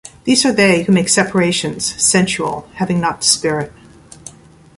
These are they who make separations, sensual, having not the Spirit.